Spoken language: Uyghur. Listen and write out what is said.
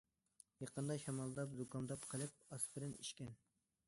يېقىندا شامالداپ، زۇكامداپ قېلىپ، ئاسپىرىن ئىچكەن.